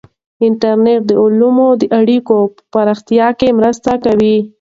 انټرنیټ د علومو د اړیکو په پراختیا کې مرسته کوي.